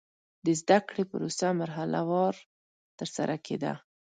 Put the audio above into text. د زده کړې پروسه مرحله وار ترسره کېده.